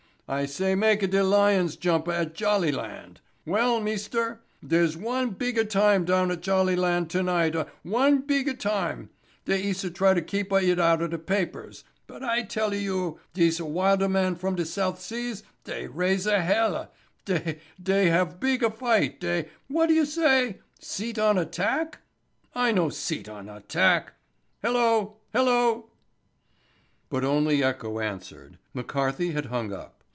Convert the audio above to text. —I say I maka de lions jumpa at Jollyland,—well, meester, deres one beega time down at Jollyland tonighta—one beega time—dey eesa try to keepa it outa de papers—but I tella you—deesa wilda men from de South Seas dey raisa hella—dey hava beega fight—dey—what you say? Seet on a tack?—I no seet on a tack—hello—hello." But only echo answered. McCarthy had hung up.